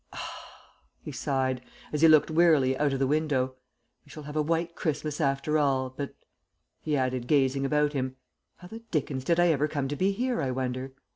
"Ah!" he sighed, as he looked wearily out of the window. "We shall have a white Christmas after all, but," he added, gazing about him, "how the dickens did I ever come to be here, I wonder?